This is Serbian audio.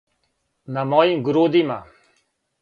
На мојим грудима.